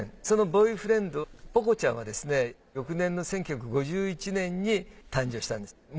そのボーイフレンドポコちゃんは翌年の１９５１年に誕生したんです。